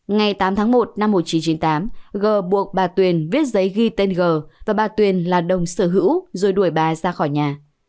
ngày tám tháng một năm một nghìn chín trăm chín mươi tám g buộc bà tuyền viết giấy ghi tên g và bà tuyền là đồng sở hữu rồi đuổi bà ra khỏi nhà